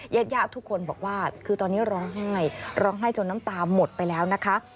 ญาติญาติทุกคนบอกว่าคือตอนนี้ร้องไห้ร้องไห้จนน้ำตาหมดไปแล้วนะคะ